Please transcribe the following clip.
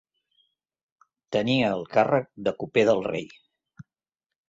Tenia el càrrec de coper del rei.